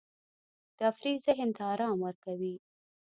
تفریح ذهن ته آرام ورکوي.